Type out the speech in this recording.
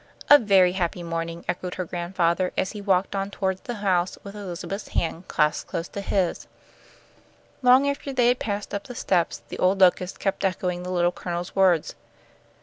"A very happy morning," echoed her grandfather, as he walked on toward the house with Elizabeth's hand clasped close in his own. Long after they had passed up the steps the old locusts kept echoing the Little Colonel's words.